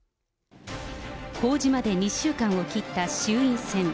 公示まで２週間を切った衆院選。